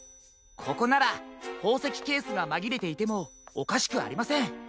ここならほうせきケースがまぎれていてもおかしくありません。